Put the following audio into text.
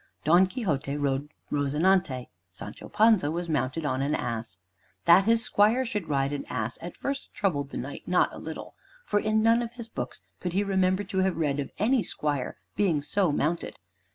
Don Quixote rode "Rozinante;" Sancho Panza was mounted on an ass. That his squire should ride an ass at first troubled the Knight not a little, for in none of his books could he remember to have read of any squire being so mounted.